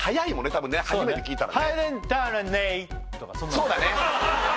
多分ね初めて聴いたらね